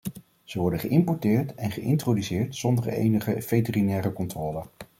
Ze worden geïmporteerd en geïntroduceerd zonder enige veterinaire controle.